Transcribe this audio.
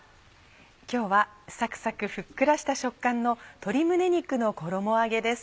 今日はサクサクふっくらした食感の「鶏胸肉の衣揚げ」です。